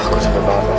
aku sumpah bangat mas